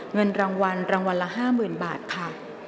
เงินรางวัลรางวัลละ๕๐๐๐บาทค่ะ